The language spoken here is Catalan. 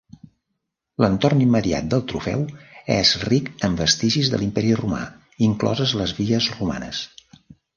L'entorn immediat del Trofeu és ric en vestigis de l'Imperi Romà, incloses les vies romanes.